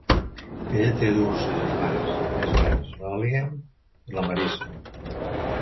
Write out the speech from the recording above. Ella té dues germanes més grans, l'Aileen i la Marisa.